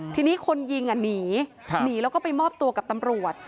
ทีนี้คนยิงหนีหนีแล้วก็ไปมอบตัวกับตำรวจ